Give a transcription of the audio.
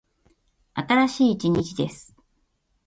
新しい一日です。